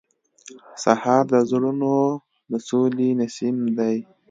سهار د زړونو د سولې نسیم دی.